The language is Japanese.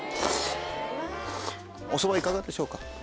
おそばいかがでしょうか？